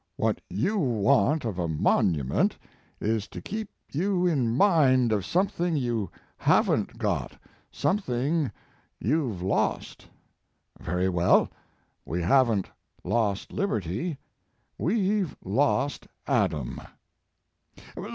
What you want of a monument is to keep you in mind of something you haven t got something you ve lost. Very well, we haven t lost liberty; we ve lost Adam.